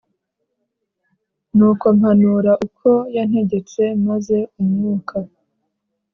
Nuko mpanura uko yantegetse maze umwuka